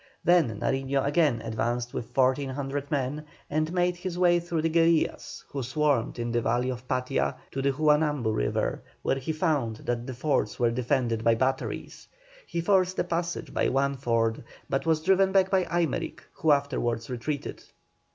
Then Nariño again advanced with 1,400 men, and made his way through the guerillas, who swarmed in the valley of Patia, to the Juanambu river, where he found that the fords were defended by batteries. He forced a passage by one ford, but was driven back by Aymerich, who afterwards retreated.